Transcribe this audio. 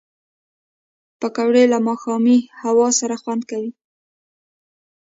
پکورې له ماښامي هوا سره خوند کوي